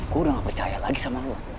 gue udah nggak percaya lagi sama lo